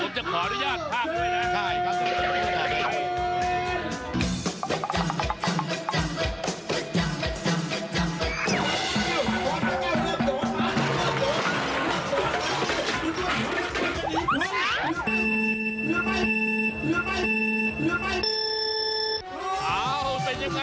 จะขออนุญาตภาพด้วยนะ